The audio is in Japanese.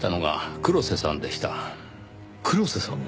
黒瀬さんが？